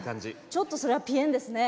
ちょっとそれはぴえんですね。